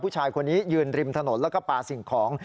ผู้ชายคนนี้ยืนริมถนนแล้วก็ปลาสิ่งของ